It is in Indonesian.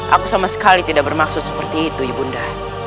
aku sama sekali tidak bermaksud seperti itu ibu nda